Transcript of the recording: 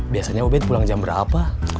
biasanya ubed pulang jam berapa